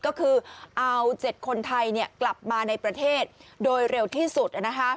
ก็คือเอา๗คนไทยกลับมาในประเทศโดยเร็วที่สุด